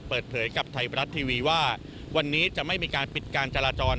เปิดเผยกับไทยรัฐทีวีว่าวันนี้จะไม่มีการปิดการจราจร